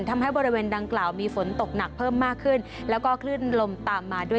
ทำให้บริเวณดังกล่าวมีฝนตกหนักเพิ่มมากขึ้นแล้วก็คลื่นลมตามมาด้วย